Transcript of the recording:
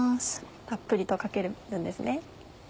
たっぷりとかけるんですね。